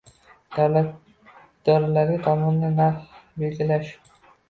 Davlat idoralari tomonidan narx belgilash